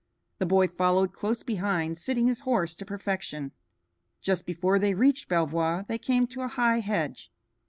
The boy followed close behind, sitting his horse to perfection. Just before they reached Belvoir they came to a high hedge.